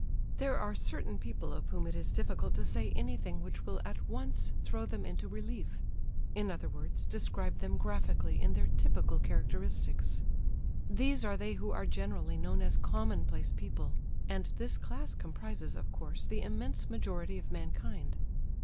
There are certain people of whom it is difficult to say anything which will at once throw them into relief—in other words, describe them graphically in their typical characteristics. These are they who are generally known as "commonplace people," and this class comprises, of course, the immense majority of mankind.